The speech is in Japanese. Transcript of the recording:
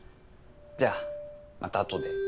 じゃあまた後で。